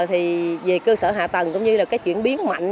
thì về cơ sở hạ tầng cũng như là cái chuyển biến mạnh